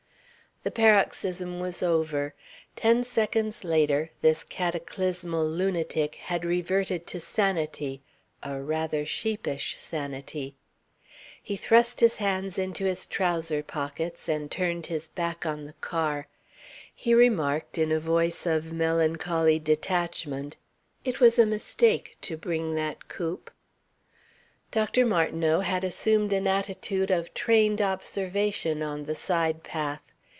The paroxysm was over. Ten seconds later this cataclysmal lunatic had reverted to sanity a rather sheepish sanity. He thrust his hands into his trouser pockets and turned his back on the car. He remarked in a voice of melancholy detachment: "It was a mistake to bring that coupe." Dr. Martineau had assumed an attitude of trained observation on the side path.